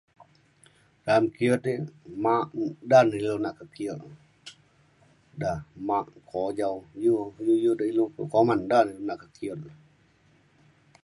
Dalem kimet e mak u- da ne ilu nak ke kiok da mak kujau iu iu iu de ilu kelo kuman da ne nak ke kiok.